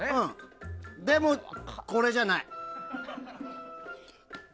でもこれじゃない。